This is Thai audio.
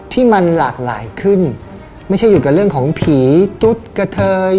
ที่มันหลากหลายขึ้นไม่ใช่อยู่กับเรื่องของผีตุ๊ดกระเทย